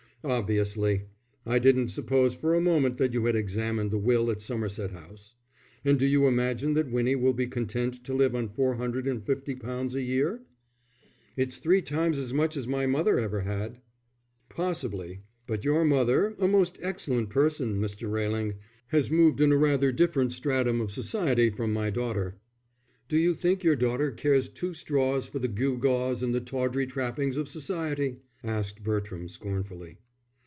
"Obviously! I didn't suppose for a moment that you had examined the will at Somerset House. And do you imagine that Winnie will be content to live on four hundred and fifty pounds a year?" "It's three times as much as my mother ever had." "Possibly, but your mother a most excellent person, Mr. Railing has moved in rather a different stratum of society from my daughter." "Do you think your daughter cares two straws for the gewgaws and the tawdry trappings of Society?" asked Bertram, scornfully.